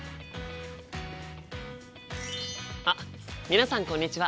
あっ皆さんこんにちは！